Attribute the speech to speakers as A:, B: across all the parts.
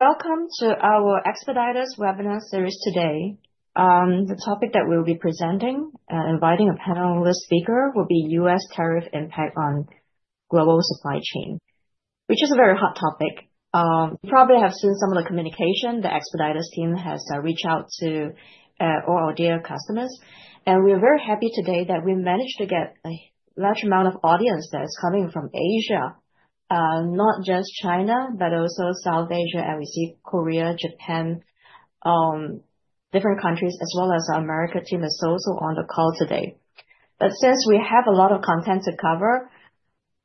A: Welcome to our Expeditors webinar series today. The topic that we'll be presenting and inviting a panelist speaker will be U.S. tariff impact on global supply chain, which is a very hot topic. You probably have seen some of the communication the Expeditors team has reached out to all our dear customers, and we are very happy today that we managed to get a large amount of audience that is coming from Asia, not just China, but also South Asia, and we see Korea, Japan, different countries, as well as our Americas team is also on the call today, but since we have a lot of content to cover,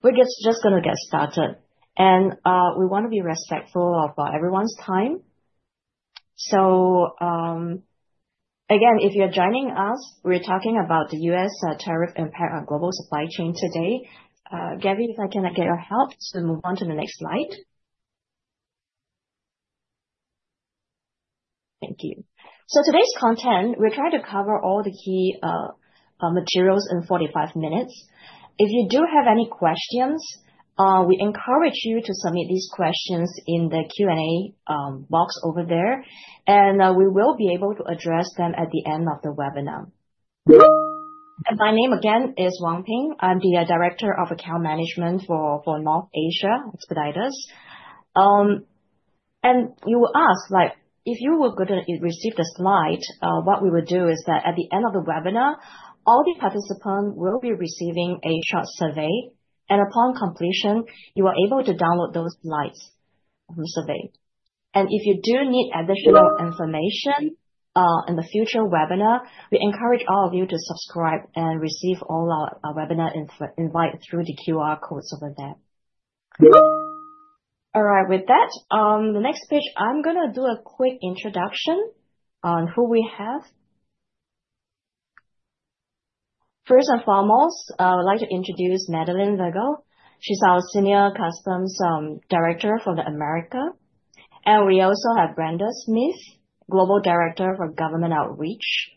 A: we're just going to get started, and we want to be respectful of everyone's time, so again, if you're joining us, we're talking about the U.S. tariff impact on global supply chain today. Gabe, if I can get your help to move on to the next slide. Thank you. So today's content, we're trying to cover all the key materials in 45 minutes. If you do have any questions, we encourage you to submit these questions in the Q&A box over there. And we will be able to address them at the end of the webinar. And my name again is Wang Ping. I'm the Director of Account Management for North Asia at Expeditors. And you asked, if you were going to receive the slides, what we will do is that at the end of the webinar, all the participants will be receiving a short survey. And upon completion, you are able to download those slides from the survey. If you do need additional information in the future webinar, we encourage all of you to subscribe and receive all our webinar invites through the QR codes over there. All right, with that, the next page, I'm going to do a quick introduction on who we have. First and foremost, I would like to introduce Madeleine Veigel. She's our Senior Customs Director for the Americas. And we also have Brenda Smith, Global Director for Government Outreach,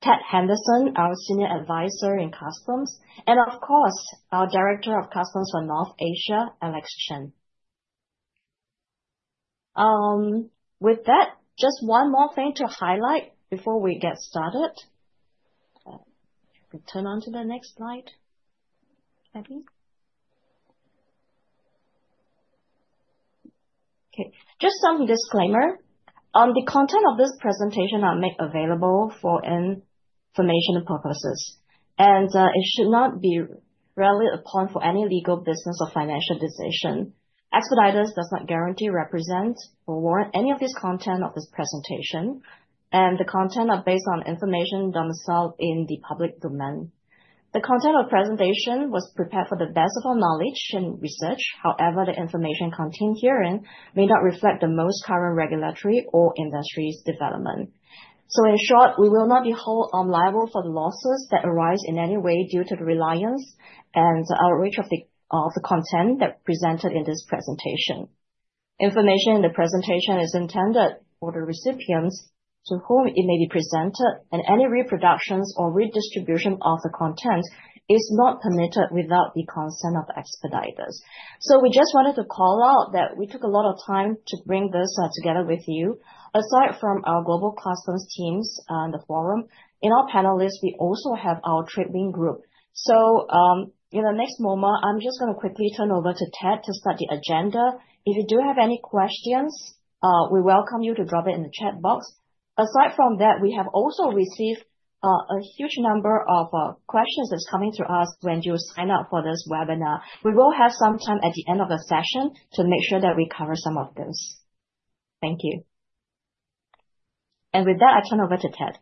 A: Ted Henderson, our Senior Advisor in Customs, and of course, our Director of Customs for North Asia, Alex Chen. With that, just one more thing to highlight before we get started. Turn to the next slide, maybe. Okay, just some disclaimer. The content of this presentation I make available for information purposes. And it should not be relied upon for any legal, business, or financial decision. Expeditors does not guarantee, represent, or warrant any of this content of this presentation, and the content is based on information domiciled in the public domain. The content of the presentation was prepared for the best of our knowledge and research. However, the information contained herein may not reflect the most current regulatory or industry's development, so in short, we will not be held liable for the losses that arise in any way due to the reliance and outreach of the content that is presented in this presentation. Information in the presentation is intended for the recipients to whom it may be presented, and any reproductions or redistribution of the content is not permitted without the consent of Expeditors, so we just wanted to call out that we took a lot of time to bring this together with you. Aside from our global customs teams on the forum and in our panelists, we also have our Tradewin group. So in the next moment, I'm just going to quickly turn over to Ted to start the agenda. If you do have any questions, we welcome you to drop it in the chat box. Aside from that, we have also received a huge number of questions that are coming to us when you sign up for this webinar. We will have some time at the end of the session to make sure that we cover some of those. Thank you. And with that, I turn over to Ted.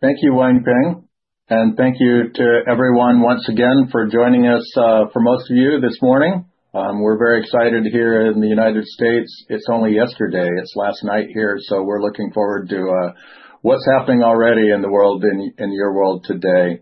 B: Thank you, Wang Ping, and thank you to everyone once again for joining us, for most of you this morning. We're very excited here in the United States. It's only yesterday. It's last night here. So we're looking forward to what's happening already in the world, in your world today.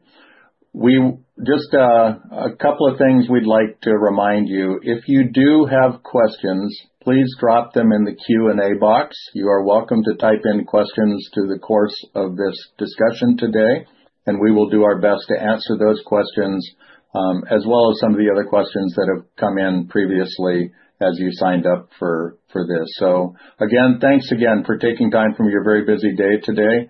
B: Just a couple of things we'd like to remind you. If you do have questions, please drop them in the Q&A box. You are welcome to type in questions to the course of this discussion today, and we will do our best to answer those questions, as well as some of the other questions that have come in previously as you signed up for this, so again, thanks again for taking time from your very busy day today.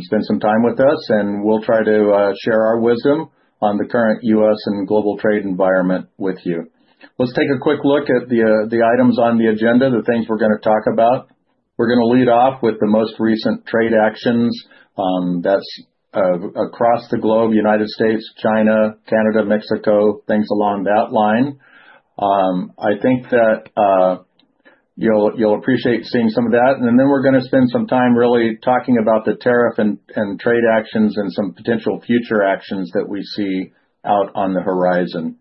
B: Spend some time with us, and we'll try to share our wisdom on the current U.S. and global trade environment with you. Let's take a quick look at the items on the agenda, the things we're going to talk about. We're going to lead off with the most recent trade actions that's across the globe: United States, China, Canada, Mexico, things along that line. I think that you'll appreciate seeing some of that. And then we're going to spend some time really talking about the tariff and trade actions and some potential future actions that we see out on the horizon.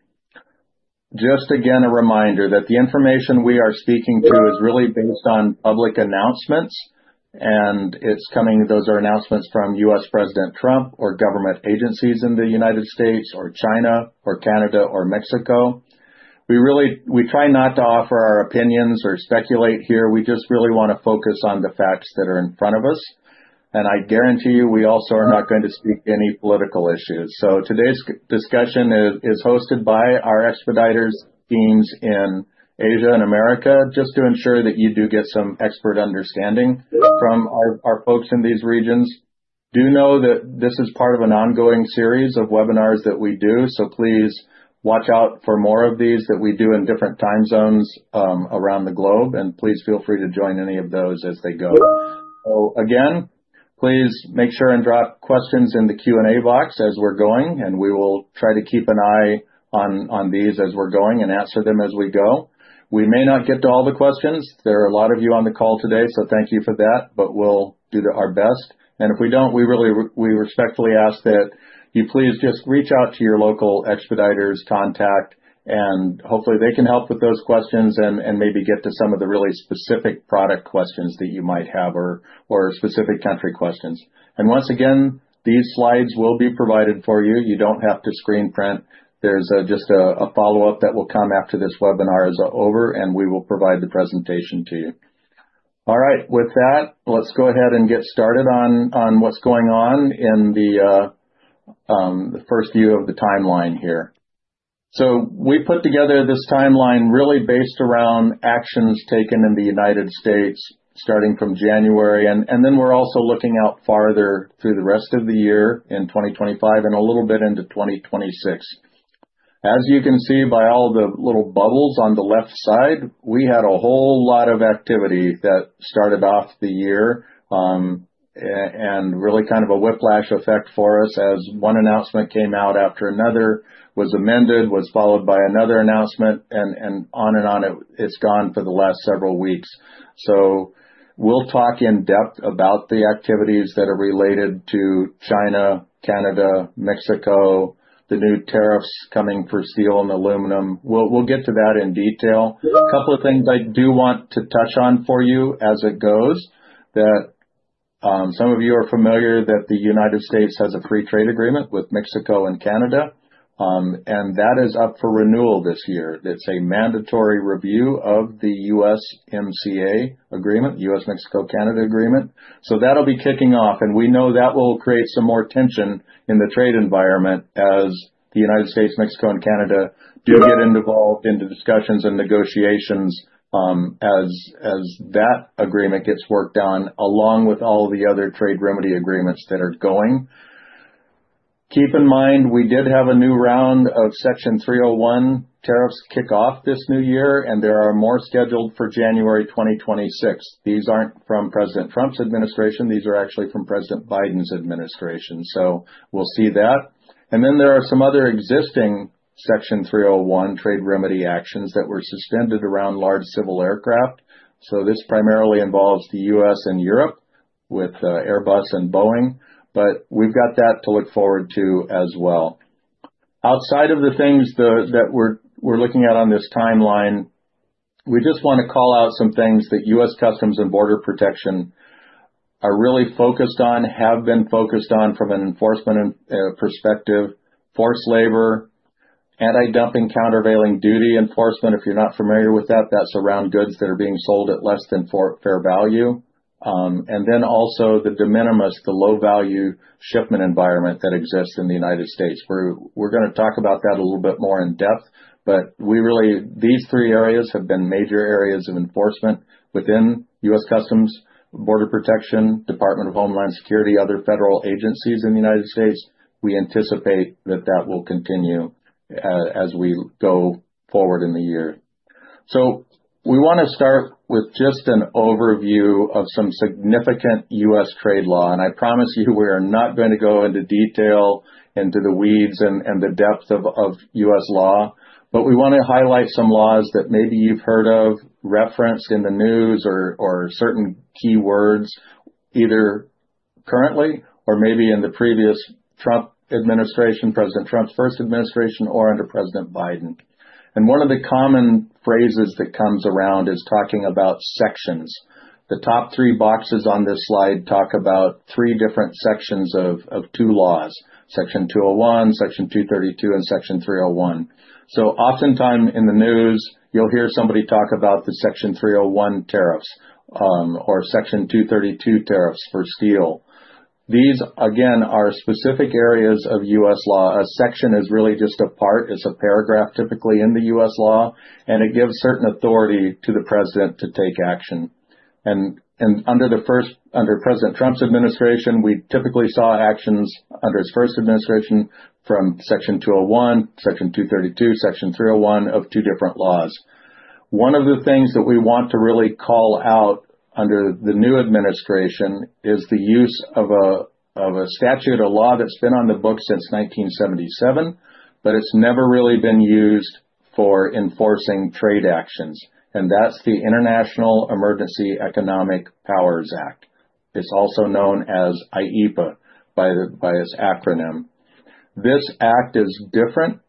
B: Just again, a reminder that the information we are speaking to is really based on public announcements. And those are announcements from U.S. President Trump or government agencies in the United States or China or Canada or Mexico. We try not to offer our opinions or speculate here. We just really want to focus on the facts that are in front of us. I guarantee you, we also are not going to speak any political issues. So today's discussion is hosted by our Expeditors teams in Asia and America, just to ensure that you do get some expert understanding from our folks in these regions. Do know that this is part of an ongoing series of webinars that we do. So please watch out for more of these that we do in different time zones around the globe. And please feel free to join any of those as they go. So again, please make sure and drop questions in the Q&A box as we're going. And we will try to keep an eye on these as we're going and answer them as we go. We may not get to all the questions. There are a lot of you on the call today, so thank you for that. But we'll do our best. If we don't, we respectfully ask that you please just reach out to your local Expeditors contact, and hopefully they can help with those questions and maybe get to some of the really specific product questions that you might have or specific country questions. Once again, these slides will be provided for you. You don't have to screen print. There's just a follow-up that will come after this webinar is over, and we will provide the presentation to you. All right, with that, let's go ahead and get started on what's going on in the first view of the timeline here. We put together this timeline really based around actions taken in the United States starting from January. Then we're also looking out farther through the rest of the year in 2025 and a little bit into 2026. As you can see by all the little bubbles on the left side, we had a whole lot of activity that started off the year and really kind of a whiplash effect for us as one announcement came out after another was amended, was followed by another announcement, and on and on it's gone for the last several weeks. So we'll talk in depth about the activities that are related to China, Canada, Mexico, the new tariffs coming for steel and aluminum. We'll get to that in detail. A couple of things I do want to touch on for you as it goes that some of you are familiar that the United States has a free trade agreement with Mexico and Canada. And that is up for renewal this year. It's a mandatory review of the USMCA agreement, U.S.-Mexico-Canada Agreement. So that'll be kicking off. And we know that will create some more tension in the trade environment as the United States, Mexico, and Canada do get involved in the discussions and negotiations as that agreement gets worked on along with all the other trade remedy agreements that are going. Keep in mind, we did have a new round of Section 301 tariffs kick off this new year, and there are more scheduled for January 2026. These aren't from President Trump's administration. These are actually from President Biden's administration. So we'll see that. And then there are some other existing Section 301 trade remedy actions that were suspended around large civil aircraft. So this primarily involves the U.S. and Europe with Airbus and Boeing. But we've got that to look forward to as well. Outside of the things that we're looking at on this timeline, we just want to call out some things that U.S. Customs and Border Protection are really focused on, have been focused on from an enforcement perspective: forced labor, anti-dumping, countervailing duty enforcement. If you're not familiar with that, that's around goods that are being sold at less than fair value, and then also the de minimis, the low-value shipment environment that exists in the United States. We're going to talk about that a little bit more in depth, but these three areas have been major areas of enforcement within U.S. Customs and Border Protection, Department of Homeland Security, and other federal agencies in the United States. We anticipate that that will continue as we go forward in the year, so we want to start with just an overview of some significant U.S. trade law, and I promise you, we are not going to go into detail into the weeds and the depth of U.S. law. We want to highlight some laws that maybe you've heard of, referenced in the news, or certain key words, either currently or maybe in the previous Trump administration, President Trump's first administration, or under President Biden. One of the common phrases that comes around is talking about sections. The top three boxes on this slide talk about three different sections of two laws: Section 201, Section 232, and Section 301. Oftentimes in the news, you'll hear somebody talk about the Section 301 tariffs or Section 232 tariffs for steel. These, again, are specific areas of U.S. law. A section is really just a part. It's a paragraph typically in the U.S. law. And it gives certain authority to the president to take action. Under President Trump's administration, we typically saw actions under his first administration from Section 201, Section 232, Section 301 of two different laws. One of the things that we want to really call out under the new administration is the use of a statute, a law that's been on the books since 1977, but it's never really been used for enforcing trade actions. And that's the International Emergency Economic Powers Act. It's also known as IEEPA by its acronym. This act is different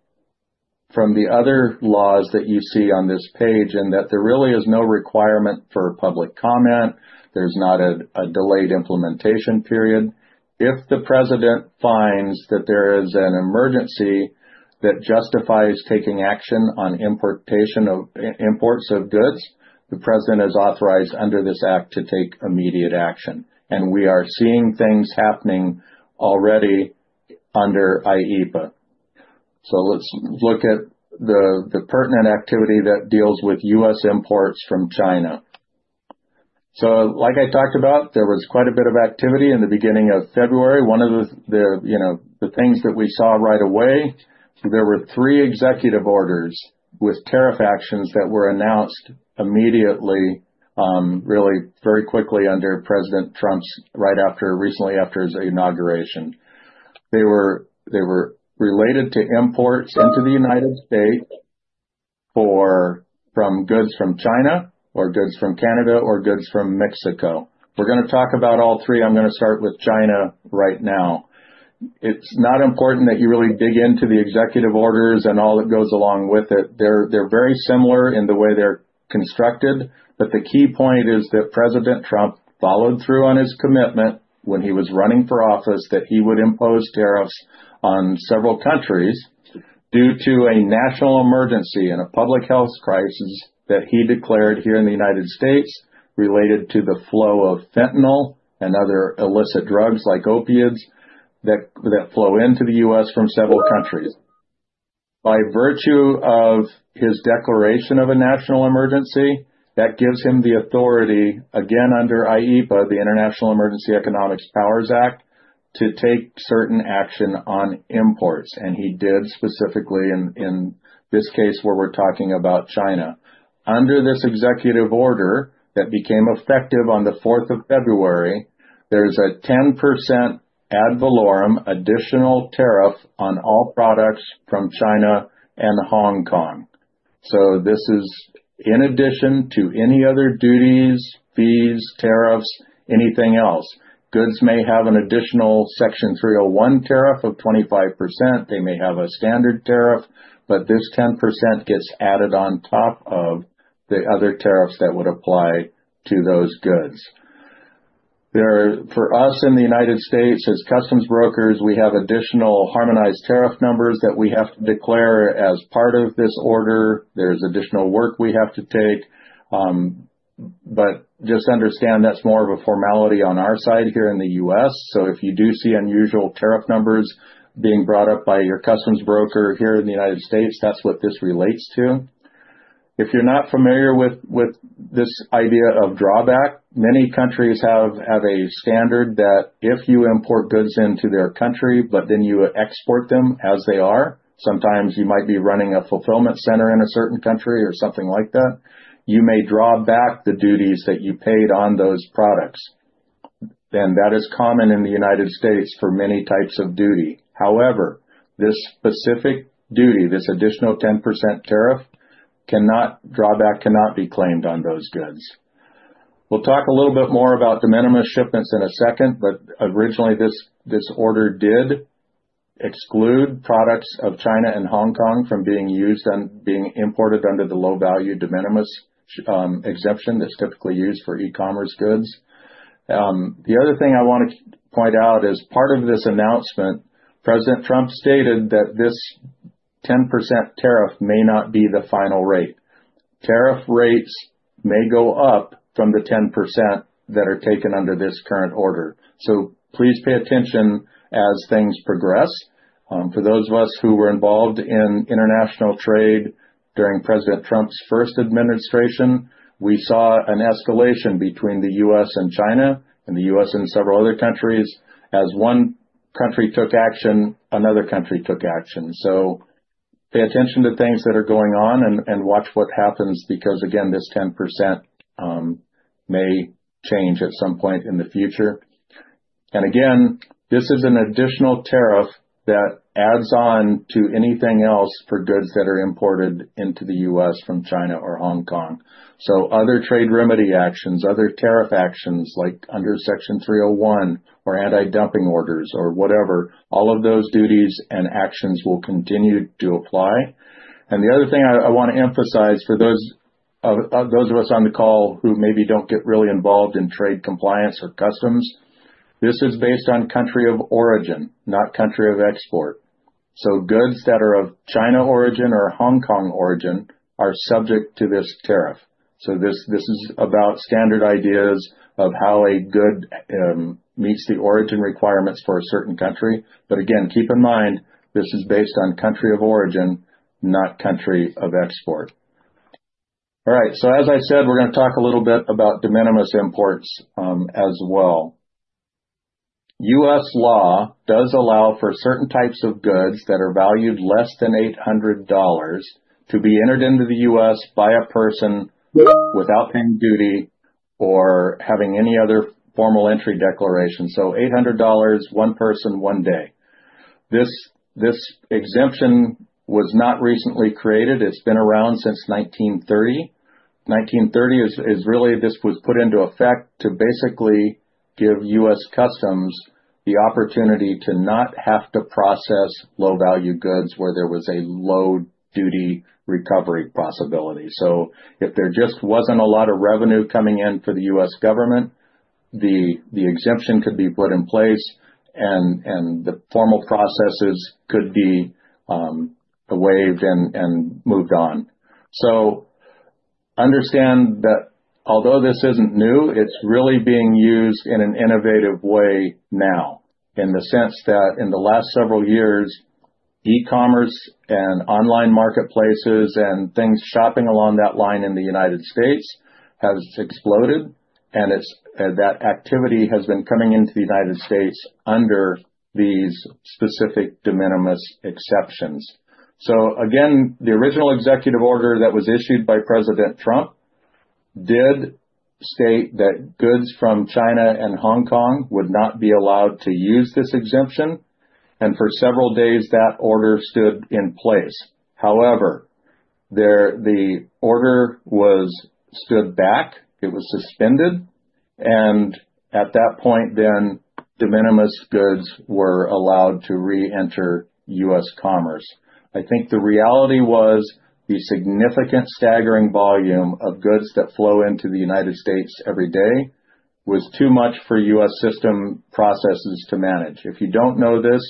B: from the other laws that you see on this page in that there really is no requirement for public comment. There's not a delayed implementation period. If the president finds that there is an emergency that justifies taking action on imports of goods, the president is authorized under this act to take immediate action. And we are seeing things happening already under IEEPA. So let's look at the pertinent activity that deals with U.S. imports from China. So, like I talked about, there was quite a bit of activity in the beginning of February. One of the things that we saw right away, there were three executive orders with tariff actions that were announced immediately, really very quickly under President Trump right after recently after his inauguration. They were related to imports into the United States from goods from China or goods from Canada or goods from Mexico. We're going to talk about all three. I'm going to start with China right now. It's not important that you really dig into the executive orders and all that goes along with it. They're very similar in the way they're constructed. The key point is that President Trump followed through on his commitment when he was running for office that he would impose tariffs on several countries due to a national emergency and a public health crisis that he declared here in the United States related to the flow of fentanyl and other illicit drugs like opioids that flow into the U.S. from several countries. By virtue of his declaration of a national emergency, that gives him the authority, again under IEEPA, the International Emergency Economic Powers Act, to take certain action on imports. He did specifically in this case where we're talking about China. Under this executive order that became effective on the February 4th, there is a 10% ad valorem additional tariff on all products from China and Hong Kong. This is in addition to any other duties, fees, tariffs, anything else. Goods may have an additional Section 301 tariff of 25%. They may have a standard tariff. But this 10% gets added on top of the other tariffs that would apply to those goods. For us in the United States, as customs brokers, we have additional harmonized tariff numbers that we have to declare as part of this order. There's additional work we have to take. But just understand that's more of a formality on our side here in the U.S. So if you do see unusual tariff numbers being brought up by your customs broker here in the United States, that's what this relates to. If you're not familiar with this idea of drawback, many countries have a standard that if you import goods into their country, but then you export them as they are, sometimes you might be running a fulfillment center in a certain country or something like that, you may draw back the duties that you paid on those products, and that is common in the United States for many types of duty. However, this specific duty, this additional 10% tariff, cannot drawback, cannot be claimed on those goods. We'll talk a little bit more about de minimis shipments in a second, but originally, this order did exclude products of China and Hong Kong from being used and being imported under the low-value de minimis exemption that's typically used for e-commerce goods. The other thing I want to point out is part of this announcement, President Trump stated that this 10% tariff may not be the final rate. Tariff rates may go up from the 10% that are taken under this current order. So please pay attention as things progress. For those of us who were involved in international trade during President Trump's first administration, we saw an escalation between the U.S. and China and the U.S. and several other countries. As one country took action, another country took action. So pay attention to things that are going on and watch what happens because, again, this 10% may change at some point in the future. And again, this is an additional tariff that adds on to anything else for goods that are imported into the U.S. from China or Hong Kong. So other trade remedy actions, other tariff actions like under Section 301 or anti-dumping orders or whatever, all of those duties and actions will continue to apply. And the other thing I want to emphasize for those of us on the call who maybe don't get really involved in trade compliance or customs, this is based on country of origin, not country of export. So goods that are of China origin or Hong Kong origin are subject to this tariff. So this is about standard ideas of how a good meets the origin requirements for a certain country. But again, keep in mind, this is based on country of origin, not country of export. All right. So as I said, we're going to talk a little bit about de minimis imports as well. U.S. law does allow for certain types of goods that are valued less than $800 to be entered into the U.S. by a person without paying duty or having any other formal entry declaration. So $800, one person, one day. This exemption was not recently created. It's been around since 1930. 1930 is really this was put into effect to basically give U.S. Customs the opportunity to not have to process low-value goods where there was a low duty recovery possibility. So if there just wasn't a lot of revenue coming in for the U.S. government, the exemption could be put in place and the formal processes could be waived and moved on. So understand that although this isn't new, it's really being used in an innovative way now in the sense that in the last several years, e-commerce and online marketplaces and things shopping along that line in the United States has exploded. And that activity has been coming into the United States under these specific de minimis exceptions. So again, the original executive order that was issued by President Trump did state that goods from China and Hong Kong would not be allowed to use this exemption. And for several days, that order stood in place. However, the order stood back. It was suspended. And at that point, then de minimis goods were allowed to re-enter U.S. commerce. I think the reality was the significant staggering volume of goods that flow into the United States every day was too much for U.S. system processes to manage. If you don't know this,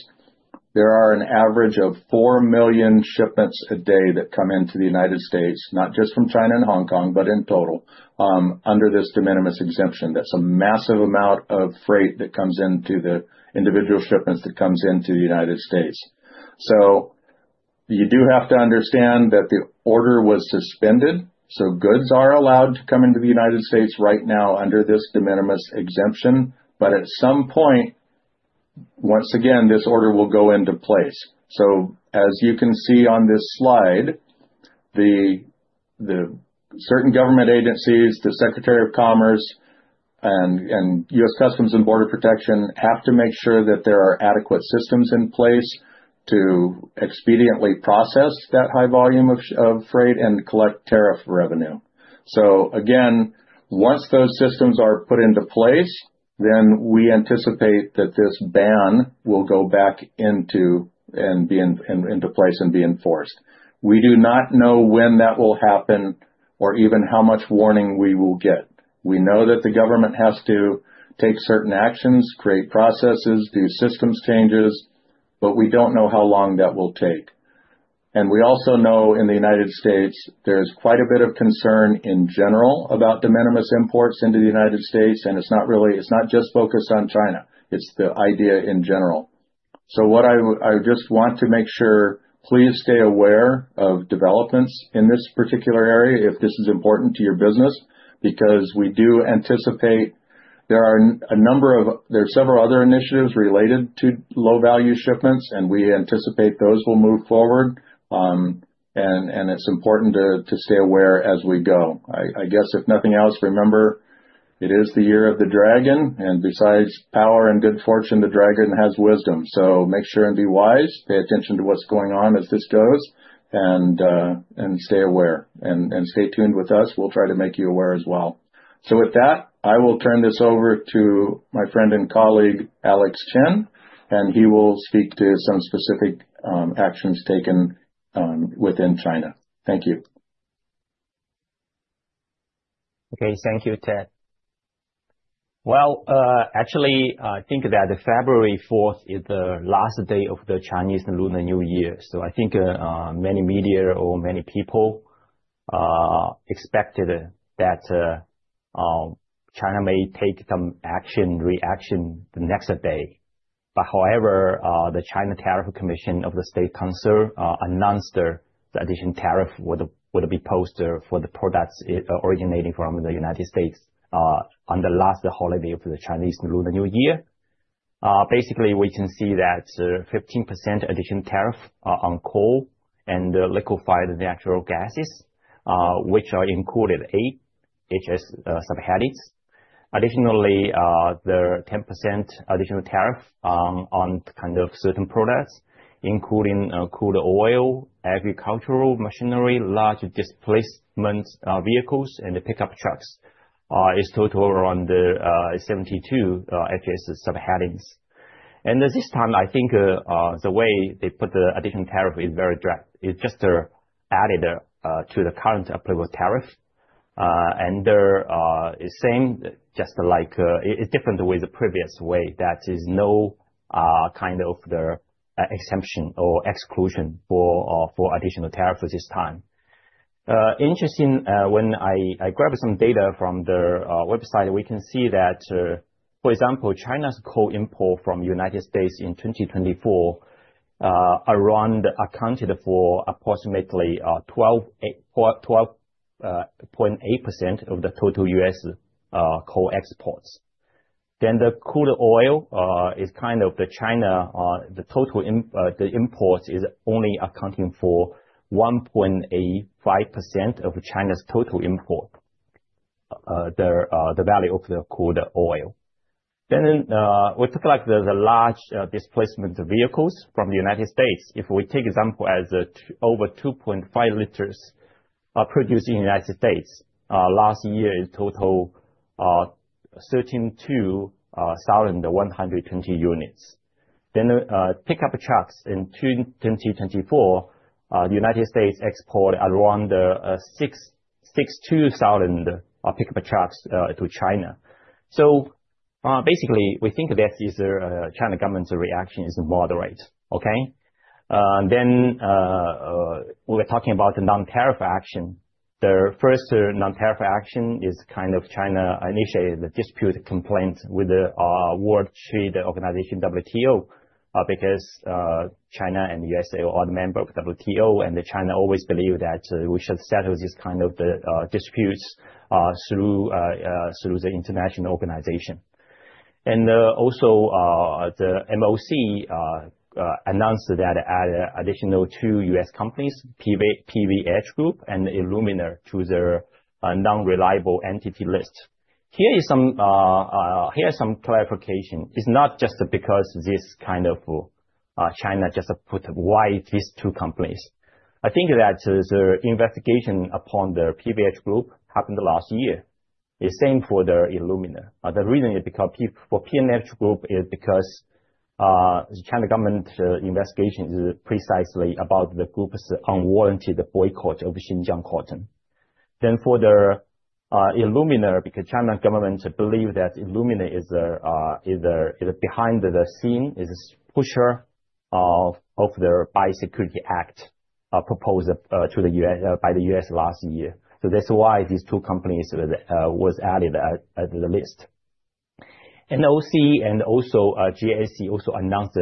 B: there are an average of four million shipments a day that come into the United States, not just from China and Hong Kong, but in total under this de minimis exemption. That's a massive amount of freight that comes into the individual shipments that comes into the United States. So you do have to understand that the order was suspended. So goods are allowed to come into the United States right now under this de minimis exemption. But at some point, once again, this order will go into place. So as you can see on this slide, certain government agencies, the Secretary of Commerce, and U.S. Customs and Border Protection have to make sure that there are adequate systems in place to expediently process that high volume of freight and collect tariff revenue. So again, once those systems are put into place, then we anticipate that this ban will go back into place and be enforced. We do not know when that will happen or even how much warning we will get. We know that the government has to take certain actions, create processes, do systems changes, but we don't know how long that will take, and we also know in the United States there's quite a bit of concern in general about de minimis imports into the United States. It's not just focused on China. It's the idea in general. I just want to make sure, please, stay aware of developments in this particular area if this is important to your business because we do anticipate there are several other initiatives related to low-value shipments, and we anticipate those will move forward. It's important to stay aware as we go. I guess if nothing else, remember, it is the year of the dragon. Besides power and good fortune, the dragon has wisdom. Make sure and be wise. Pay attention to what's going on as this goes and stay aware and stay tuned with us. We'll try to make you aware as well. With that, I will turn this over to my friend and colleague, Alex Chen, and he will speak to some specific actions taken within China. Thank you.
C: Okay. Thank you, Ted. Well, actually, I think that February 4th is the last day of the Chinese Lunar New Year. So I think many media or many people expected that China may take some action, reaction the next day. But however, the China Tariff Commission of the State Council announced the additional tariff would be posted for the products originating from the United States on the last holiday of the Chinese Lunar New Year. Basically, we can see that 15% additional tariff on coal and liquefied natural gas, which are included eight HS subheadings. Additionally, there are 10% additional tariff on kind of certain products, including crude oil, agricultural machinery, large displacement vehicles, and pickup trucks. It's total around 72 HS subheadings. And this time, I think the way they put the additional tariff is very direct. It's just added to the current applicable tariff. It's the same, just like it's different with the previous way that there's no kind of exemption or exclusion for additional tariffs at this time. Interesting, when I grabbed some data from the website, we can see that, for example, China's coal import from the United States in 2024 around accounted for approximately 12.8% of the total U.S. coal exports. The crude oil is kind of the China, the total imports is only accounting for 1.85% of China's total import, the value of the crude oil. We took like the large displacement vehicles from the United States. If we take example as over 2.5 L produced in the United States last year in total 132,120 units. Pickup trucks in 2024, the United States exported around 62,000 pickup trucks to China. Basically, we think this is China government's reaction is moderate. Okay. Then we were talking about the non-tariff action. The first non-tariff action is kind of China initiated the dispute complaint with the World Trade Organization, WTO, because China and the U.S. are all members of WTO, and China always believed that we should settle this kind of disputes through the international organization. And also the MOC announced that it added additional two U.S. companies, PVH Group and Illumina, to their Unreliable Entity List. Here is some clarification. It's not just because this kind of China just put why these two companies. I think that the investigation upon the PVH Group happened last year. It's same for the Illumina. The reason is because for PVH Group is because the China government investigation is precisely about the group's unwarranted boycott of Xinjiang cotton. Then for the Illumina, because the Chinese government believed that Illumina is behind the scenes, is a pusher of the Biosecurity Act proposed by the U.S. last year. So that's why these two companies were added to the list. NOC and also GSC also announced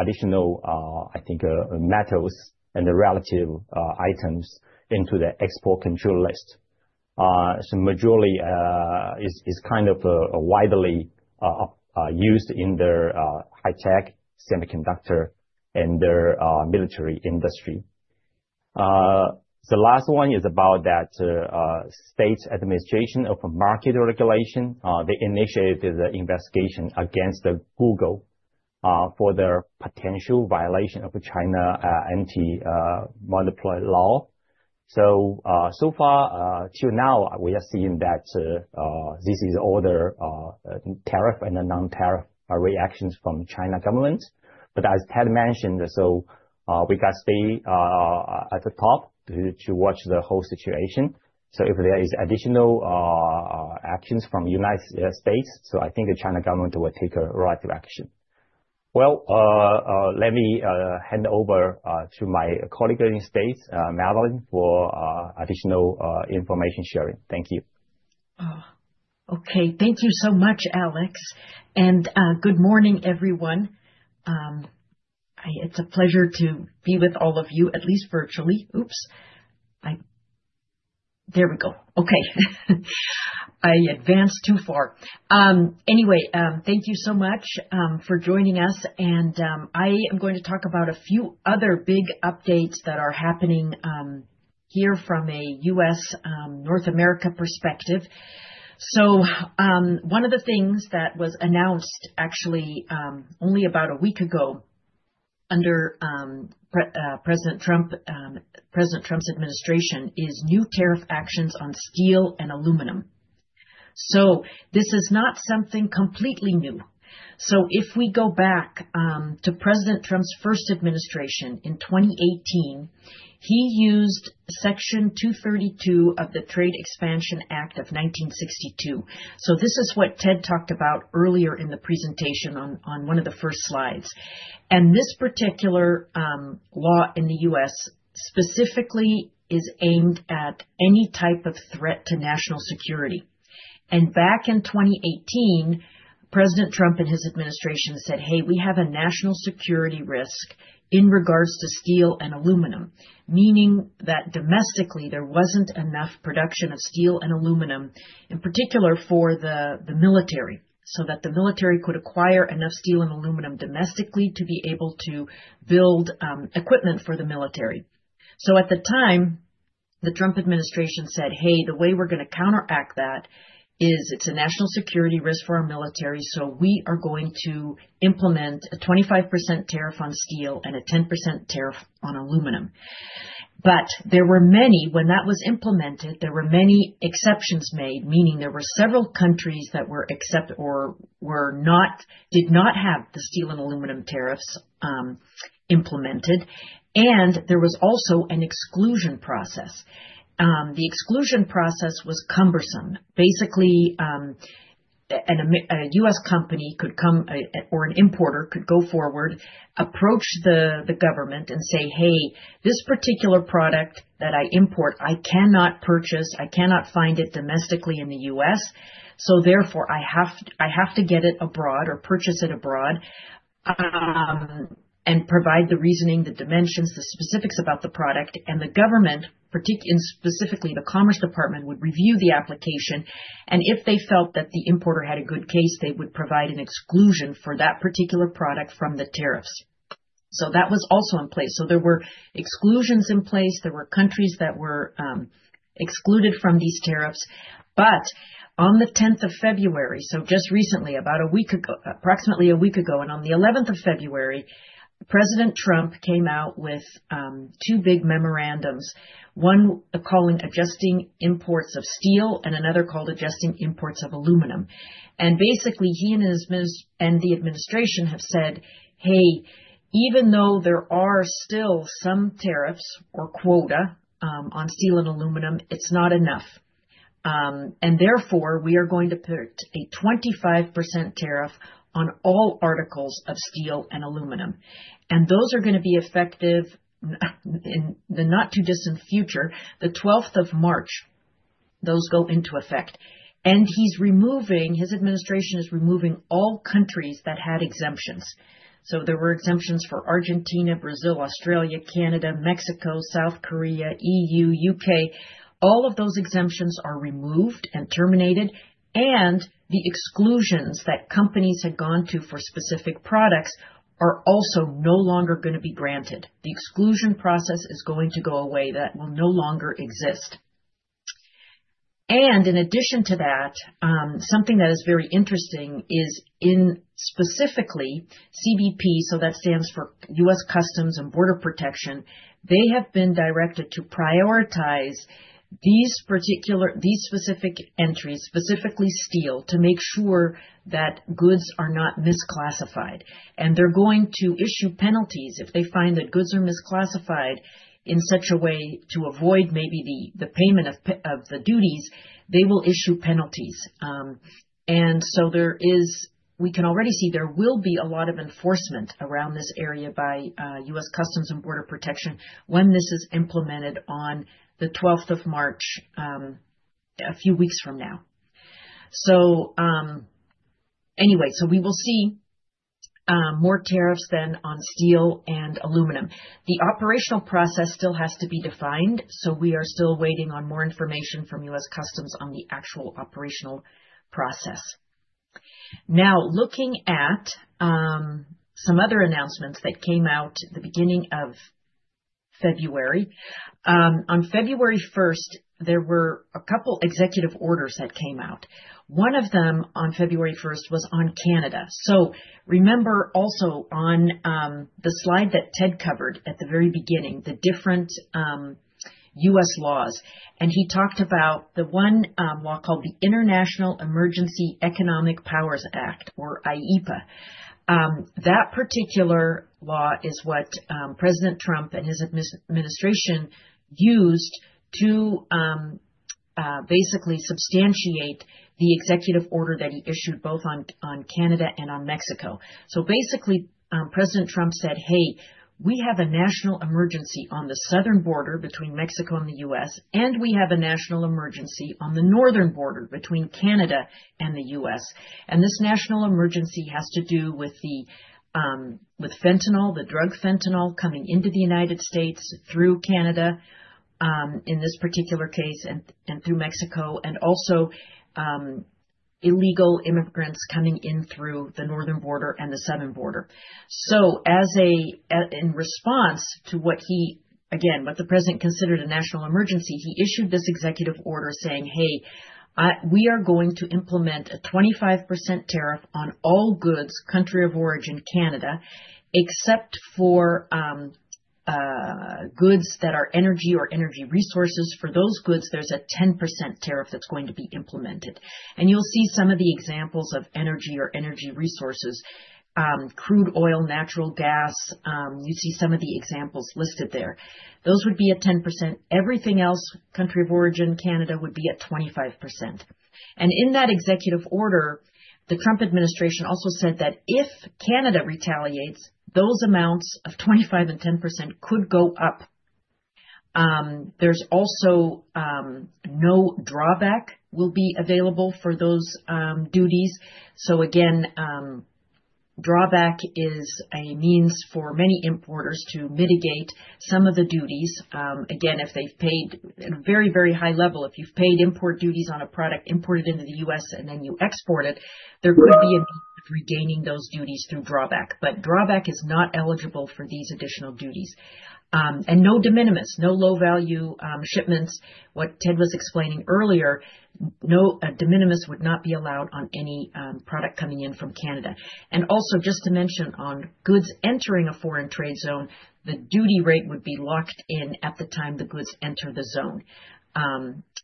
C: additional, I think, metals and related items into the export control list. So majority is kind of widely used in their high-tech semiconductors and their military industry. The last one is about the State Administration for Market Regulation. They initiated the investigation against Google for their potential violation of China Anti-Monopoly Law. So far till now, we are seeing that this is all the tariff and the non-tariff reactions from the Chinese government. But as Ted mentioned, so we've got to stay at the top to watch the whole situation. If there is additional actions from the United States, so I think the Chinese government will take retaliatory action. Let me hand over to my colleague in the States, Madeleine, for additional information sharing. Thank you.
D: Okay. Thank you so much, Alex. And good morning, everyone. It's a pleasure to be with all of you, at least virtually. Oops. There we go. Okay. I advanced too far. Anyway, thank you so much for joining us. And I am going to talk about a few other big updates that are happening here from a U.S. North America perspective. So one of the things that was announced actually only about a week ago under President Trump's administration is new tariff actions on steel and aluminum. So this is not something completely new. So if we go back to President Trump's first administration in 2018, he used Section 232 of the Trade Expansion Act of 1962. So this is what Ted talked about earlier in the presentation on one of the first slides. And this particular law in the U.S. Specifically is aimed at any type of threat to national security. And back in 2018, President Trump and his administration said, hey, we have a national security risk in regards to steel and aluminum, meaning that domestically, there wasn't enough production of steel and aluminum, in particular for the military, so that the military could acquire enough steel and aluminum domestically to be able to build equipment for the military. So at the time, the Trump administration said, hey, the way we're going to counteract that is it's a national security risk for our military, so we are going to implement a 25% tariff on steel and a 10% tariff on aluminum. But when that was implemented, there were many exceptions made, meaning there were several countries that were exempt or did not have the steel and aluminum tariffs implemented. And there was also an exclusion process. The exclusion process was cumbersome. Basically, a U.S. company could come or an importer could go forward, approach the government and say, hey, this particular product that I import, I cannot purchase. I cannot find it domestically in the U.S. So therefore, I have to get it abroad or purchase it abroad and provide the reasoning, the dimensions, the specifics about the product. And the government, specifically the Commerce Department, would review the application. And if they felt that the importer had a good case, they would provide an exclusion for that particular product from the tariffs. So that was also in place. So there were exclusions in place. There were countries that were excluded from these tariffs. On the February 10th, so just recently, about approximately a week ago, and on the February 11th, President Trump came out with two big memorandums, one called Adjusting Imports of Steel and another called Adjusting Imports of Aluminum. And basically, he and the administration have said, hey, even though there are still some tariffs or quota on steel and aluminum, it's not enough. And therefore, we are going to put a 25% tariff on all articles of steel and aluminum. And those are going to be effective in the not too distant future, the March 12th, those go into effect. And his administration is removing all countries that had exemptions. So there were exemptions for Argentina, Brazil, Australia, Canada, Mexico, South Korea, EU, UK. All of those exemptions are removed and terminated. The exclusions that companies had gone to for specific products are also no longer going to be granted. The exclusion process is going to go away. That will no longer exist. And in addition to that, something that is very interesting is in specifically CBP, so that stands for U.S. Customs and Border Protection, they have been directed to prioritize these specific entries, specifically steel, to make sure that goods are not misclassified. And they're going to issue penalties if they find that goods are misclassified in such a way to avoid maybe the payment of the duties, they will issue penalties. And so we can already see there will be a lot of enforcement around this area by U.S. Customs and Border Protection when this is implemented on the March 12th, a few weeks from now. So anyway, we will see more tariffs on steel and aluminum. The operational process still has to be defined. We are still waiting on more information from U.S. Customs on the actual operational process. Now, looking at some other announcements that came out at the beginning of February, on February 1st, there were a couple of executive orders that came out. One of them on February 1st was on Canada. Remember also on the slide that Ted covered at the very beginning, the different U.S. laws. He talked about the one law called the International Emergency Economic Powers Act, or IEEPA. That particular law is what President Trump and his administration used to basically substantiate the executive order that he issued both on Canada and on Mexico. So basically, President Trump said, hey, we have a national emergency on the southern border between Mexico and the U.S., and we have a national emergency on the northern border between Canada and the U.S. And this national emergency has to do with fentanyl, the drug fentanyl coming into the United States through Canada in this particular case and through Mexico, and also illegal immigrants coming in through the northern border and the southern border. So in response to what he, again, what the president considered a national emergency, he issued this executive order saying, hey, we are going to implement a 25% tariff on all goods, country of origin, Canada, except for goods that are energy or energy resources. For those goods, there's a 10% tariff that's going to be implemented. And you'll see some of the examples of energy or energy resources, crude oil, natural gas. You see some of the examples listed there. Those would be a 10%. Everything else, country of origin, Canada would be at 25%. And in that executive order, the Trump administration also said that if Canada retaliates, those amounts of 25% and 10% could go up. There's also no drawback will be available for those duties. So again, drawback is a means for many importers to mitigate some of the duties. Again, if they've paid at a very, very high level, if you've paid import duties on a product imported into the U.S. and then you export it, there could be a means of regaining those duties through drawback. But drawback is not eligible for these additional duties. And no de minimis, no low-value shipments. What Ted was explaining earlier, no de minimis would not be allowed on any product coming in from Canada. Also just to mention, on goods entering a foreign trade zone, the duty rate would be locked in at the time the goods enter the zone.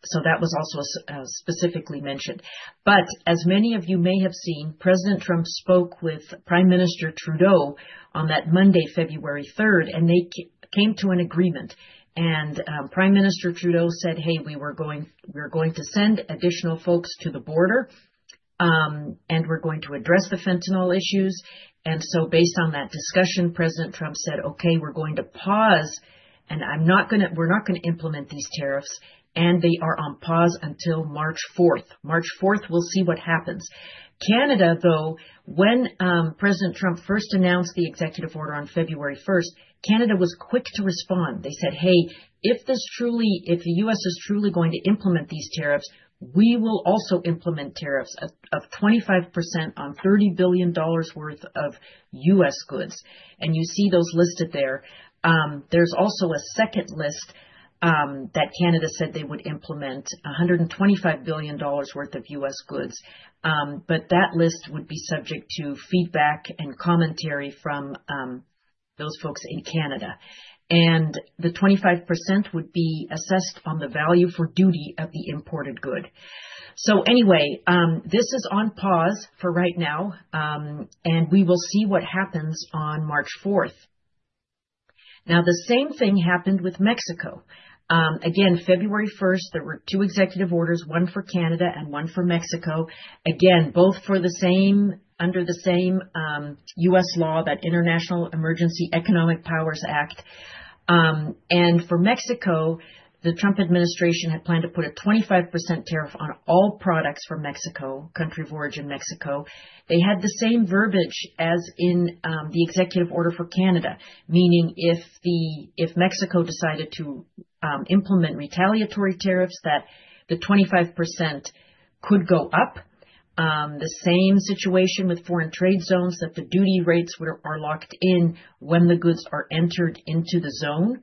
D: So that was also specifically mentioned. But as many of you may have seen, President Trump spoke with Prime Minister Trudeau on that Monday, February 3rd, and they came to an agreement. And Prime Minister Trudeau said, hey, we're going to send additional folks to the border, and we're going to address the fentanyl issues. And so based on that discussion, President Trump said, okay, we're going to pause, and we're not going to implement these tariffs. And they are on pause until March 4th. March 4th, we'll see what happens. Canada, though, when President Trump first announced the executive order on February 1st, Canada was quick to respond. They said, hey, if the U.S. is truly going to implement these tariffs, we will also implement tariffs of 25% on $30 billion worth of U.S. goods." And you see those listed there. There's also a second list that Canada said they would implement $125 billion worth of U.S. goods. But that list would be subject to feedback and commentary from those folks in Canada. And the 25% would be assessed on the value for duty of the imported good. So anyway, this is on pause for right now, and we will see what happens on March 4th. Now, the same thing happened with Mexico. Again, February 1st, there were two executive orders, one for Canada and one for Mexico. Again, both under the same U.S. law, that International Emergency Economic Powers Act. And for Mexico, the Trump administration had planned to put a 25% tariff on all products for Mexico, country of origin, Mexico. They had the same verbiage as in the executive order for Canada, meaning if Mexico decided to implement retaliatory tariffs, that the 25% could go up. The same situation with foreign trade zones that the duty rates are locked in when the goods are entered into the zone.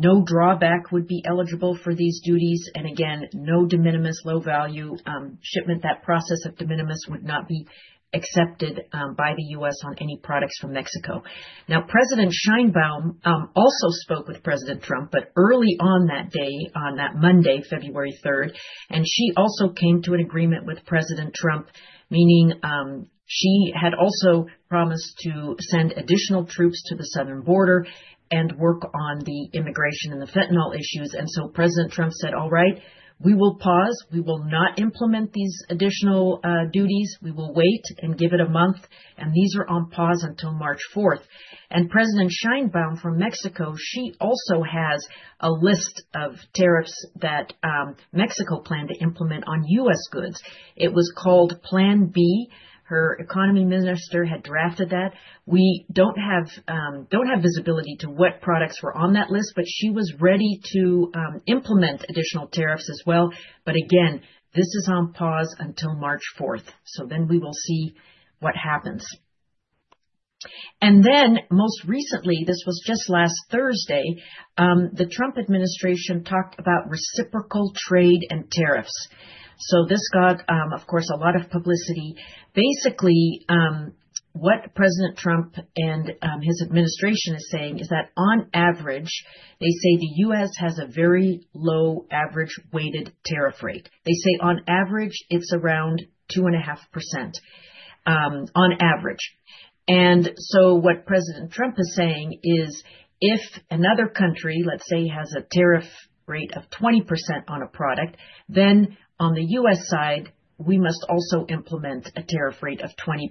D: No drawback would be eligible for these duties, and again, no de minimis, low-value shipment, that process of de minimis would not be accepted by the U.S. on any products from Mexico. Now, President Sheinbaum also spoke with President Trump, but early on that day, on that Monday, February 3rd, and she also came to an agreement with President Trump, meaning she had also promised to send additional troops to the southern border and work on the immigration and the fentanyl issues, and so President Trump said, all right, we will pause. We will not implement these additional duties. We will wait and give it a month. And these are on pause until March 4th. And President Sheinbaum from Mexico, she also has a list of tariffs that Mexico planned to implement on U.S. goods. It was called Plan B. Her economy minister had drafted that. We don't have visibility to what products were on that list, but she was ready to implement additional tariffs as well. But again, this is on pause until March 4th. So then we will see what happens. And then most recently, this was just last Thursday, the Trump administration talked about reciprocal trade and tariffs. So this got, of course, a lot of publicity. Basically, what President Trump and his administration is saying is that on average, they say the U.S. has a very low average weighted tariff rate. They say on average, it's around 2.5% on average. And so what President Trump is saying is if another country, let's say, has a tariff rate of 20% on a product, then on the U.S. side, we must also implement a tariff rate of 20%,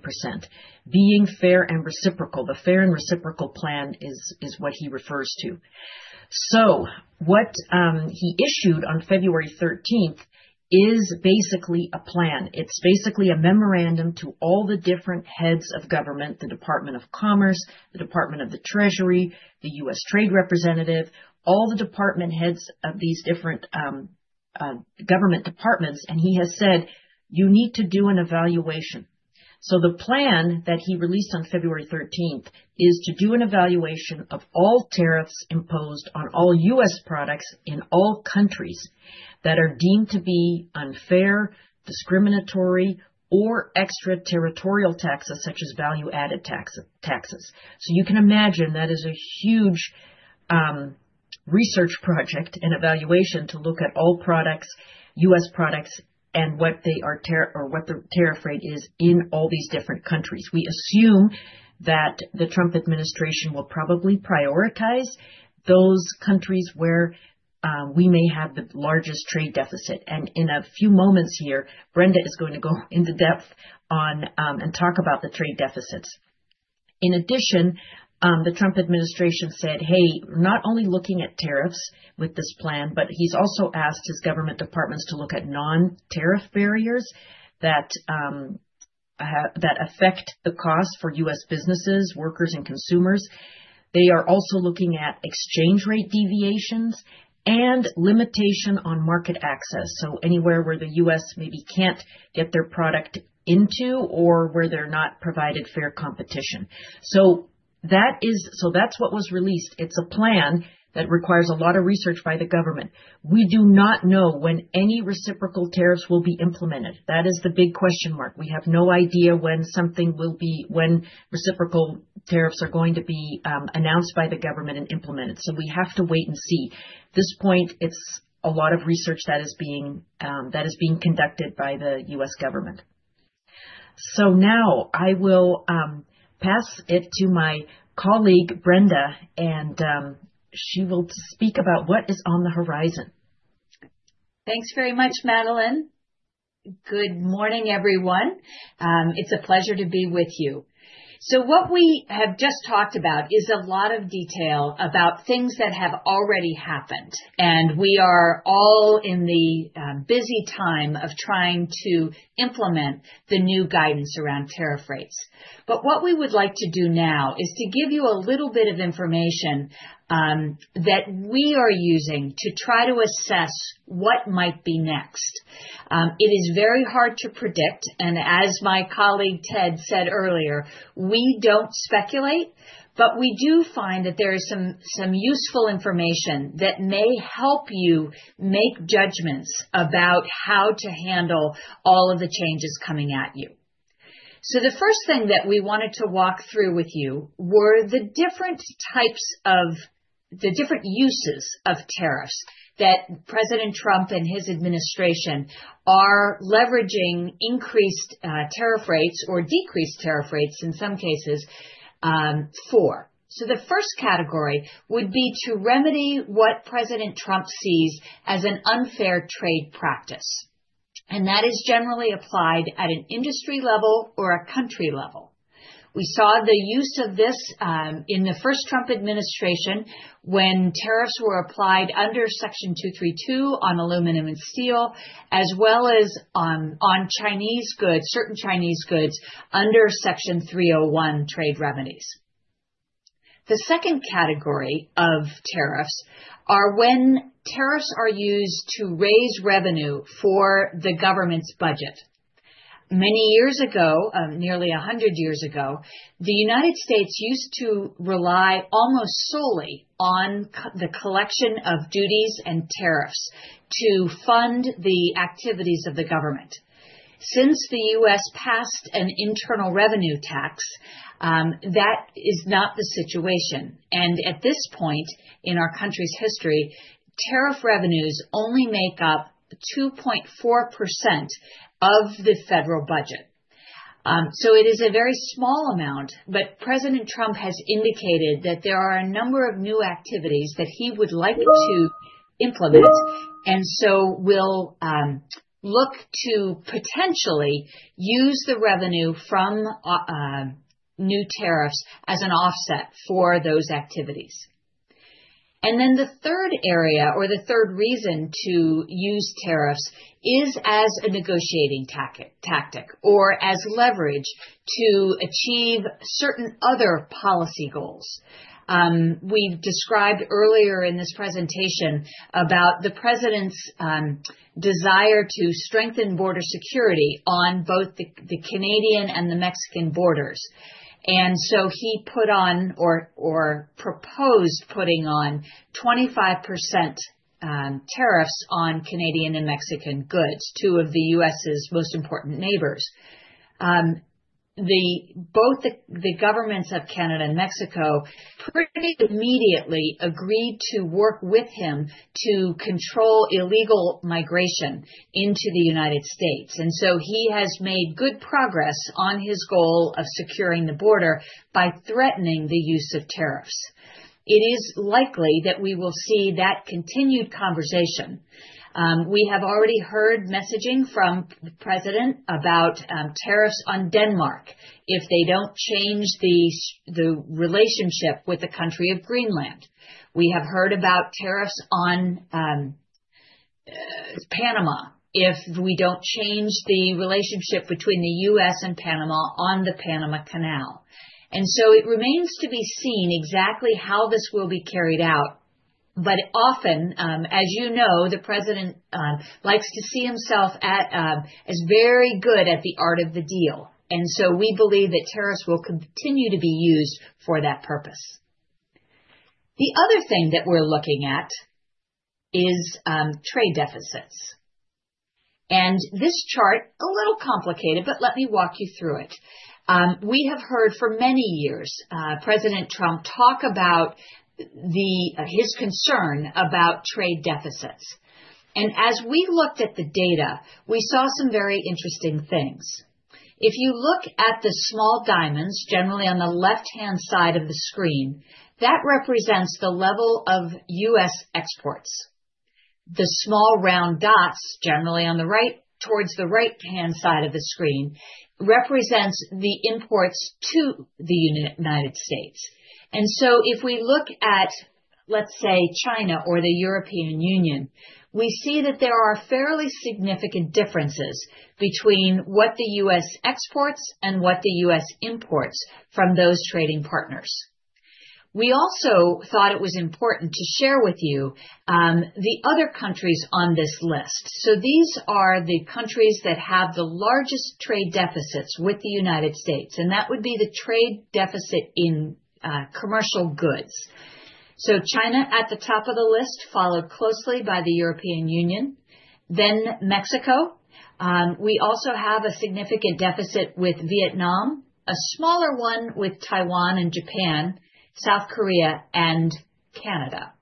D: being fair and reciprocal. The fair and reciprocal plan is what he refers to. So what he issued on February 13th is basically a plan. It's basically a memorandum to all the different heads of government, the Department of Commerce, the Department of the Treasury, the U.S. Trade Representative, all the department heads of these different government departments. And he has said, you need to do an evaluation. So the plan that he released on February 13th is to do an evaluation of all tariffs imposed on all U.S. products in all countries that are deemed to be unfair, discriminatory, or extraterritorial taxes, such as value-added taxes. So you can imagine that is a huge research project and evaluation to look at all products, U.S. products, and what they are or what the tariff rate is in all these different countries. We assume that the Trump administration will probably prioritize those countries where we may have the largest trade deficit. And in a few moments here, Brenda is going to go into depth and talk about the trade deficits. In addition, the Trump administration said, hey, we're not only looking at tariffs with this plan, but he's also asked his government departments to look at non-tariff barriers that affect the cost for U.S. businesses, workers, and consumers. They are also looking at exchange rate deviations and limitation on market access. So anywhere where the U.S. maybe can't get their product into or where they're not provided fair competition. So that's what was released. It's a plan that requires a lot of research by the government. We do not know when any reciprocal tariffs will be implemented. That is the big question mark. We have no idea when something will be when reciprocal tariffs are going to be announced by the government and implemented. So we have to wait and see. At this point, it's a lot of research that is being conducted by the U.S. government. So now I will pass it to my colleague, Brenda, and she will speak about what is on the horizon.
E: Thanks very much, Madeleine. Good morning, everyone. It's a pleasure to be with you. So what we have just talked about is a lot of detail about things that have already happened, and we are all in the busy time of trying to implement the new guidance around tariff rates. But what we would like to do now is to give you a little bit of information that we are using to try to assess what might be next. It is very hard to predict. And as my colleague Ted said earlier, we don't speculate, but we do find that there is some useful information that may help you make judgments about how to handle all of the changes coming at you. So the first thing that we wanted to walk through with you were the different types of the different uses of tariffs that President Trump and his administration are leveraging increased tariff rates or decreased tariff rates in some cases for. So the first category would be to remedy what President Trump sees as an unfair trade practice. And that is generally applied at an industry level or a country level. We saw the use of this in the first Trump administration when tariffs were applied under Section 232 on aluminum and steel, as well as on Chinese goods, certain Chinese goods under Section 301 trade remedies. The second category of tariffs are when tariffs are used to raise revenue for the government's budget. Many years ago, nearly 100 years ago, the United States used to rely almost solely on the collection of duties and tariffs to fund the activities of the government. Since the U.S. passed an internal revenue tax, that is not the situation. At this point in our country's history, tariff revenues only make up 2.4% of the federal budget. It is a very small amount, but President Trump has indicated that there are a number of new activities that he would like to implement. And so we'll look to potentially use the revenue from new tariffs as an offset for those activities. And then the third area or the third reason to use tariffs is as a negotiating tactic or as leverage to achieve certain other policy goals. We described earlier in this presentation about the president's desire to strengthen border security on both the Canadian and the Mexican borders. And so he put on or proposed putting on 25% tariffs on Canadian and Mexican goods, two of the U.S.'s most important neighbors. Both the governments of Canada and Mexico pretty immediately agreed to work with him to control illegal migration into the United States. And so he has made good progress on his goal of securing the border by threatening the use of tariffs. It is likely that we will see that continued conversation. We have already heard messaging from the President about tariffs on Denmark if they don't change the relationship with the country of Greenland. We have heard about tariffs on Panama if we don't change the relationship between the U.S. and Panama on the Panama Canal, and so it remains to be seen exactly how this will be carried out, but often, as you know, the President likes to see himself as very good at the art of the deal, and so we believe that tariffs will continue to be used for that purpose. The other thing that we're looking at is trade deficits, and this chart, a little complicated, but let me walk you through it. We have heard for many years President Trump talk about his concern about trade deficits, and as we looked at the data, we saw some very interesting things. If you look at the small diamonds, generally on the left-hand side of the screen, that represents the level of U.S. exports. The small round dots, generally on the right, towards the right-hand side of the screen, represents the imports to the United States. And so if we look at, let's say, China or the European Union, we see that there are fairly significant differences between what the U.S. exports and what the U.S. imports from those trading partners. We also thought it was important to share with you the other countries on this list. So these are the countries that have the largest trade deficits with the United States. And that would be the trade deficit in commercial goods. So China at the top of the list, followed closely by the European Union, then Mexico. We also have a significant deficit with Vietnam, a smaller one with Taiwan and Japan, South Korea, and Canada.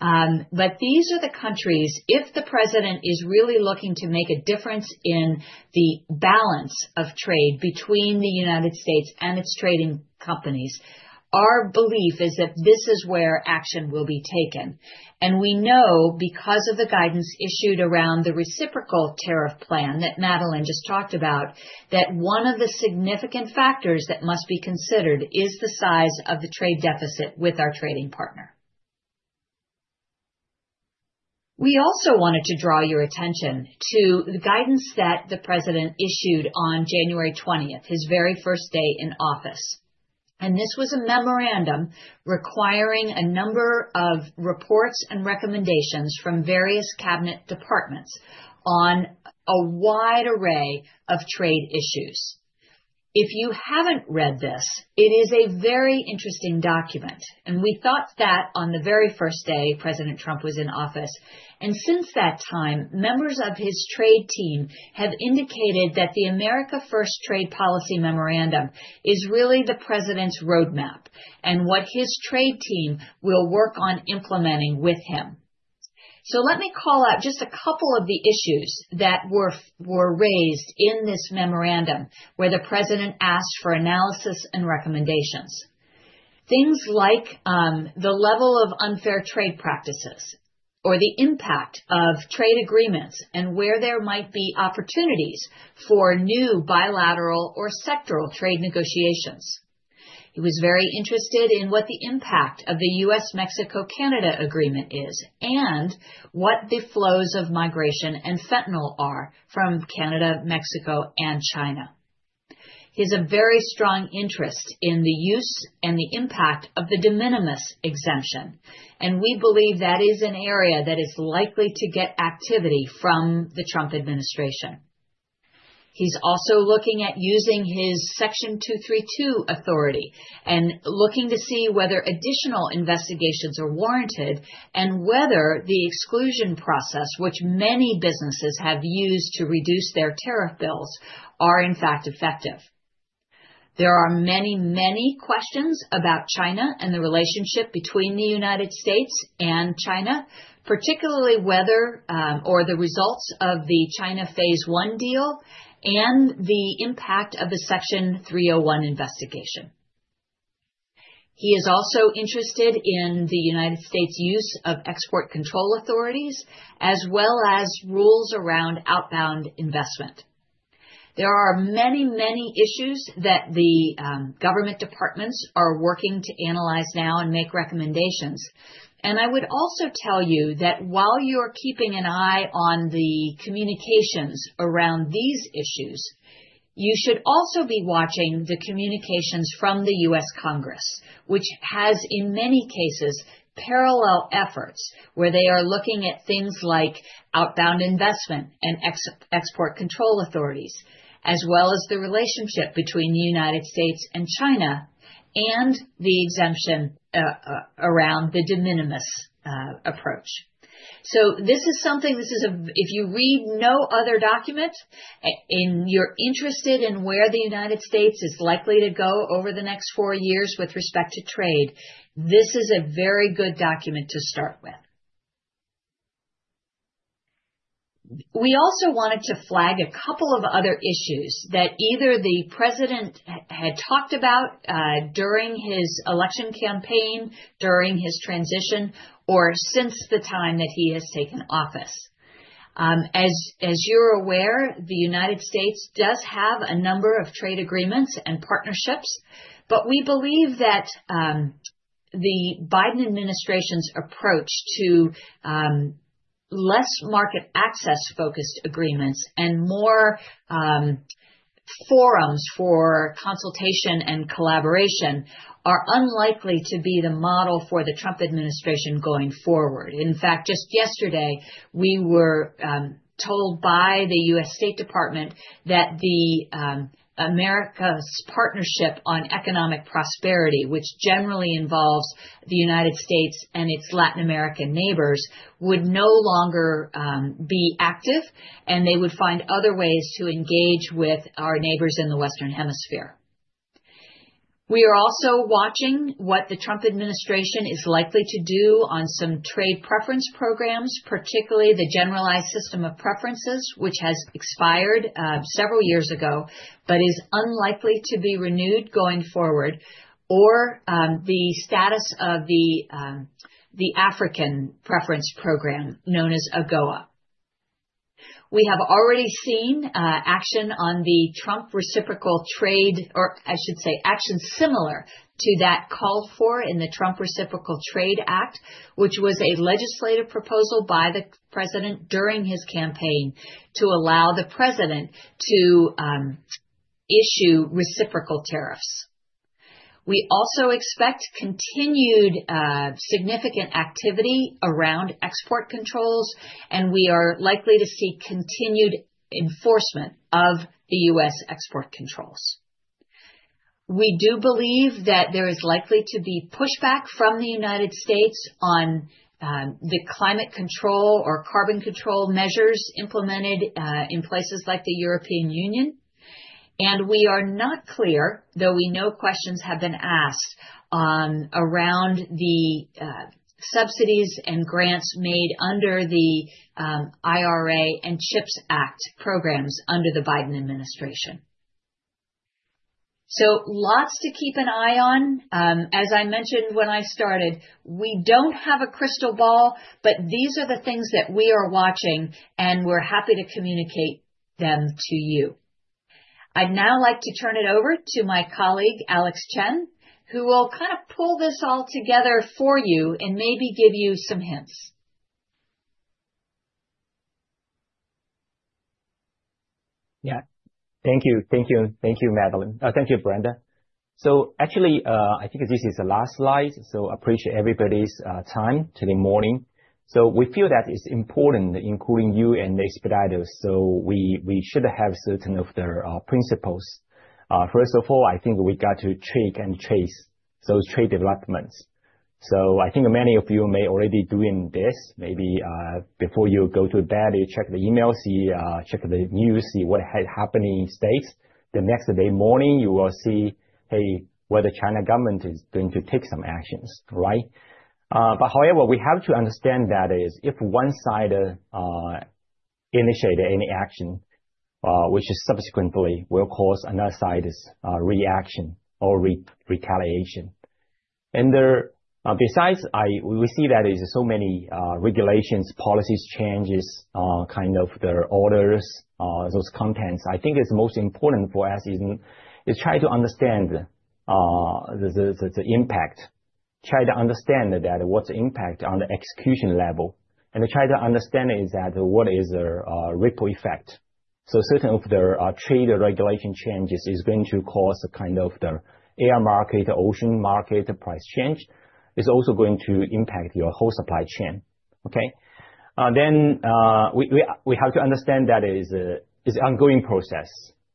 E: But these are the countries, if the president is really looking to make a difference in the balance of trade between the United States and its trading partners, our belief is that this is where action will be taken. And we know because of the guidance issued around the reciprocal tariff plan that Madeleine just talked about, that one of the significant factors that must be considered is the size of the trade deficit with our trading partner. We also wanted to draw your attention to the guidance that the president issued on January 20th, his very first day in office. And this was a memorandum requiring a number of reports and recommendations from various cabinet departments on a wide array of trade issues. If you haven't read this, it is a very interesting document, and we thought that on the very first day President Trump was in office, and since that time, members of his trade team have indicated that the America First Trade Policy Memorandum is really the president's roadmap and what his trade team will work on implementing with him, so let me call out just a couple of the issues that were raised in this memorandum where the president asked for analysis and recommendations. Things like the level of unfair trade practices or the impact of trade agreements and where there might be opportunities for new bilateral or sectoral trade negotiations, he was very interested in what the impact of the U.S.-Mexico-Canada Agreement is and what the flows of migration and fentanyl are from Canada, Mexico, and China. He has a very strong interest in the use and the impact of the de minimis exemption, and we believe that is an area that is likely to get activity from the Trump administration. He's also looking at using his Section 232 authority and looking to see whether additional investigations are warranted and whether the exclusion process, which many businesses have used to reduce their tariff bills, are in fact effective. There are many, many questions about China and the relationship between the United States and China, particularly whether or not the results of the China Phase One deal and the impact of the Section 301 investigation. He is also interested in the United States' use of export control authorities as well as rules around outbound investment. There are many, many issues that the government departments are working to analyze now and make recommendations. I would also tell you that while you're keeping an eye on the communications around these issues, you should also be watching the communications from the U.S. Congress, which has in many cases parallel efforts where they are looking at things like outbound investment and export control authorities, as well as the relationship between the United States and China and the exemption around the de minimis approach. This is something. If you read no other document, and you're interested in where the United States is likely to go over the next four years with respect to trade, this is a very good document to start with. We also wanted to flag a couple of other issues that either the president had talked about during his election campaign, during his transition, or since the time that he has taken office. As you're aware, the United States does have a number of trade agreements and partnerships, but we believe that the Biden administration's approach to less market access-focused agreements and more forums for consultation and collaboration are unlikely to be the model for the Trump administration going forward. In fact, just yesterday, we were told by the U.S. State Department that the Americas Partnership for Economic Prosperity, which generally involves the United States and its Latin American neighbors, would no longer be active, and they would find other ways to engage with our neighbors in the Western Hemisphere. We are also watching what the Trump administration is likely to do on some trade preference programs, particularly the Generalized System of Preferences, which has expired several years ago but is unlikely to be renewed going forward, or the status of the African preference program known as AGOA. We have already seen action on the Trump reciprocal trade, or I should say action similar to that called for in the Trump Reciprocal Trade Act, which was a legislative proposal by the president during his campaign to allow the president to issue reciprocal tariffs. We also expect continued significant activity around export controls, and we are likely to see continued enforcement of the U.S. export controls. We do believe that there is likely to be pushback from the United States on the climate control or carbon control measures implemented in places like the European Union. We are not clear, though we know questions have been asked around the subsidies and grants made under the IRA and CHIPS Act programs under the Biden administration. Lots to keep an eye on. As I mentioned when I started, we don't have a crystal ball, but these are the things that we are watching, and we're happy to communicate them to you. I'd now like to turn it over to my colleague, Alex Chen, who will kind of pull this all together for you and maybe give you some hints.
C: Yeah. Thank you. Thank you. Thank you, Madeleine. Thank you, Brenda. So actually, I think this is the last slide. So I appreciate everybody's time today morning. So we feel that it's important, including you and the Expeditors. So we should have certain of their principles. First of all, I think we got to check and trace those trade developments. So I think many of you may already be doing this. Maybe before you go to bed, you check the email, check the news, see what has happened in the States. The next day morning, you will see, hey, whether the Chinese government is going to take some actions, right? But however, we have to understand that if one side initiated any action, which subsequently will cause another side's reaction or retaliation, and besides, we see that there are so many regulations, policies, changes, kind of the orders, those contents. I think it's most important for us is trying to understand the impact, try to understand what's the impact on the execution level, and try to understand is that what is the ripple effect, so certain of the trade regulation changes is going to cause a kind of the air market, ocean market price change. It's also going to impact your whole supply chain. Okay, then we have to understand that it is an ongoing process.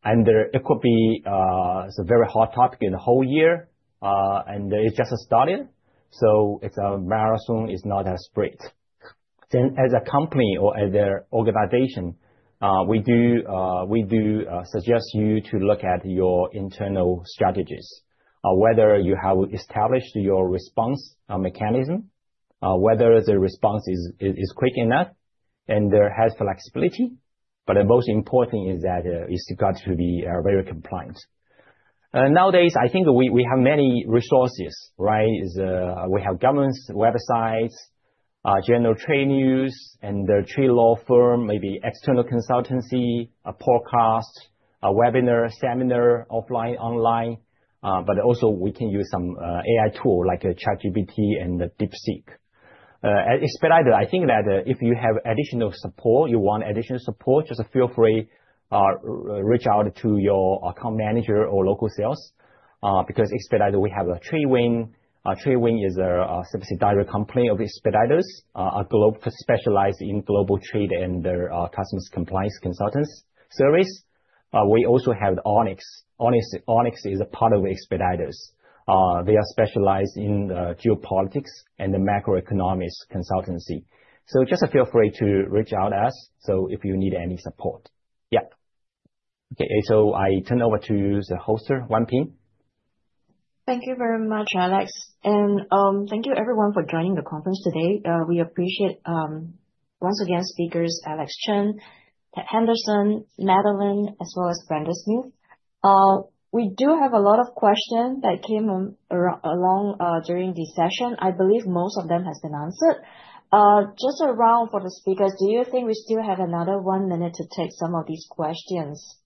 C: It could be a very hot topic in the whole year, and it just started. It's a marathon, it's not a sprint. As a company or as an organization, we do suggest you to look at your internal strategies, whether you have established your response mechanism, whether the response is quick enough, and there has flexibility. The most important is that it's got to be very compliant. Nowadays, I think we have many resources, right? We have governments, websites, general trade news, and the trade law firm, maybe external consultancy, a podcast, a webinar, seminar, offline, online. Also we can use some AI tool like ChatGPT and DeepSeek. As Expeditors, I think that if you have additional support, you want additional support, just feel free to reach out to your account manager or local sales because Expeditors, we have a Tradewin. Tradewin is a subsidiary company of Expeditors, specialized in global trade and their customers' compliance consultants service. We also have Onyx. Onyx is a part of Expeditors. They are specialized in geopolitics and the macroeconomics consultancy. So just feel free to reach out to us if you need any support. Yeah. Okay. So I turn over to the host, Wang Ping.
A: Thank you very much, Alex. And thank you, everyone, for joining the conference today. We appreciate, once again, speakers Alex Chen, Ted Henderson, Madeleine Veigel, as well as Brenda Smith. We do have a lot of questions that came along during this session. I believe most of them have been answered. Just around for the speakers, do you think we still have another one minute to take some of these questions?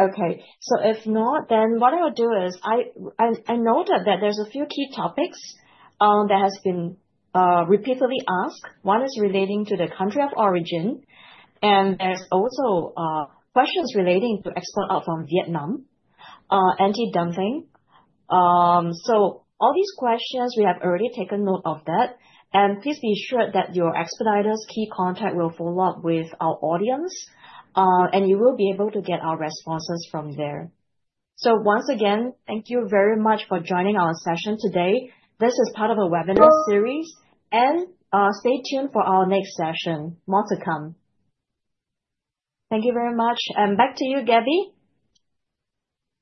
A: Okay. So if not, then what I will do is I noted that there's a few key topics that have been repeatedly asked. One is relating to the country of origin. And there's also questions relating to export out from Vietnam, anti-dumping. So all these questions, we have already taken note of that. And please be sure that your Expeditors' key contact will follow up with our audience, and you will be able to get our responses from there. So once again, thank you very much for joining our session today. This is part of a webinar series. And stay tuned for our next session, more to come. Thank you very much. And back to you, Gabby.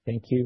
F: Thank you.